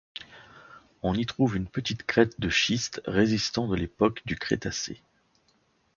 On y trouve une petite crête de schiste résistant de l'époque du Crétacé.